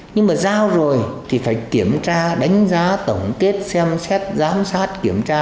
nhưng mà giao rồi thì phải kiểm tra đánh giá tổng kết xem xét giám sát kiểm tra